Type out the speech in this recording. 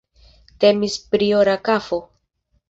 Temis pri ora kafo.